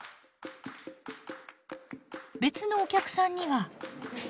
別のお客さんには。